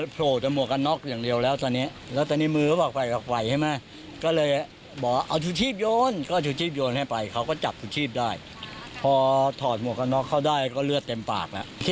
พอเห็นเลือดเขาก็สงสารว่า